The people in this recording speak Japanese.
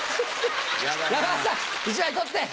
山田さん１枚取って！